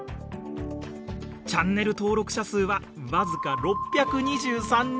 チャンネル登録者数は僅か６２３人。